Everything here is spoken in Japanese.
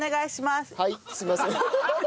すいません。